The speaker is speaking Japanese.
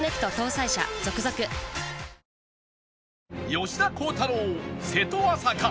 吉田鋼太郎瀬戸朝香